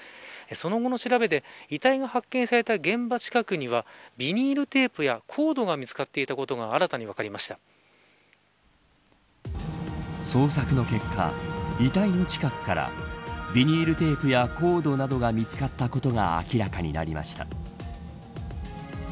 その後の調べで遺体が発見された現場近くにはビニールテープやコードが見つかっていたことが捜索の結果遺体の近くからビニールテープやコードなどが見つかったことが明らかになりました。